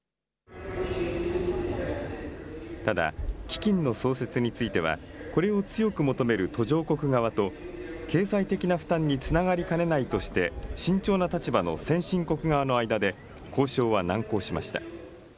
ただ、基金の創設については、これを強く求める途上国側と、経済的な負担につながりかねないとして、慎重な立場の先進国側の間で、交渉は難航しました。